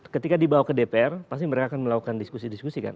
ketika dibawa ke dpr pasti mereka akan melakukan diskusi diskusi kan